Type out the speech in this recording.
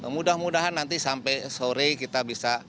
mudah mudahan nanti sampai sore kita bisa